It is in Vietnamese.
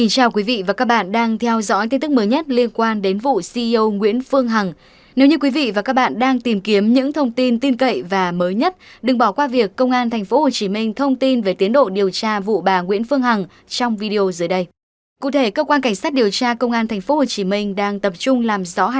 các bạn hãy đăng ký kênh để ủng hộ kênh của chúng mình nhé